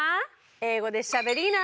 英語でしゃべりーな！